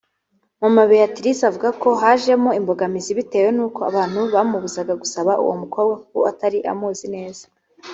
Mama Beyatirisa avuga ko hajemo imbogamizi bitewe n’uko abantu bamubuzaga gusaba uwo mukobwa kuko atari amuzi neza